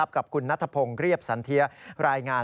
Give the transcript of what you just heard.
กับคุณนัทพงศ์เรียบสันเทียรายงาน